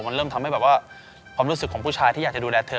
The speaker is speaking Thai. มันเริ่มทำให้แบบว่าความรู้สึกของผู้ชายที่อยากจะดูแลเธอ